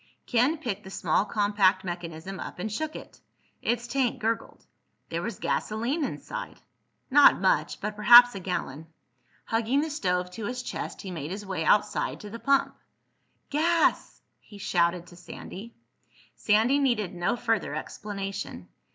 Ken picked the small compact mechanism up and shook it. Its tank gurgled. There was gasoline inside! Not much—but perhaps a gallon. Hugging the stove to his chest he made his way outside to the pump. "Gas!" he shouted to Sandy. Sandy needed no further explanation.